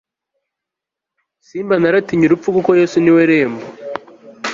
smba naratinye urupfu kuko yesu niwe rembo